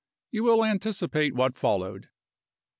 You will anticipate what followed.